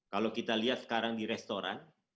kalau kita lihat sekarang di restoran